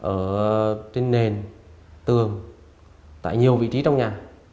ở trên nền tường tại nhiều vị trí trong nhà